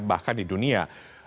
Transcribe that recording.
bahkan di dunia